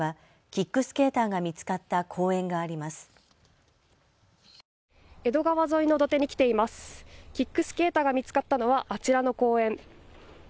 キックスケーターが見つかったのはあちらの公園。